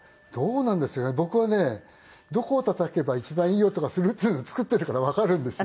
僕はねどこをたたけば一番いい音がするっていうの作っているからわかるんですよ。